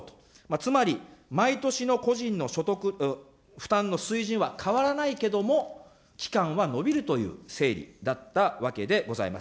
つまり、毎年の個人の所得、負担のは変わらないけども、期間は延びるという整理だったわけでございます。